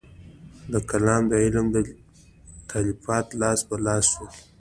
د کلام د علم تالیفات لاس په لاس شول.